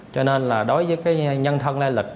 cho nên là đối với cái nhân thân lai lịch